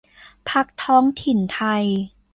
พรรคท้องถิ่นไทย